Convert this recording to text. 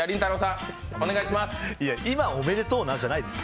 今、おめでとうな、じゃないです。